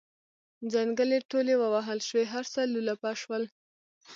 ځنګلې ټولې ووهل شوې هر څه لولپه شول.